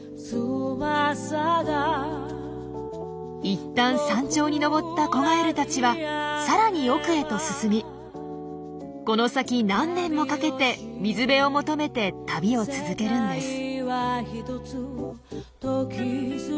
いったん山頂に登った子ガエルたちはさらに奥へと進みこの先何年もかけて水辺を求めて旅を続けるんです。